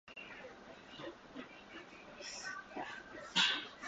あっわわわ